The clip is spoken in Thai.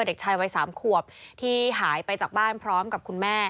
เด็กชายวัย๓ขวบที่หายไปจากบ้านพร้อมกับคุณแม่